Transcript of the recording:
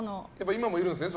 今もいるんですね。